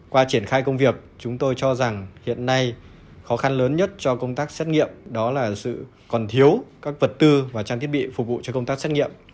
qua triển khai công việc chúng tôi cho rằng hiện nay khó khăn lớn nhất cho công tác xét nghiệm đó là sự còn thiếu các vật tư và trang thiết bị phục vụ cho công tác xét nghiệm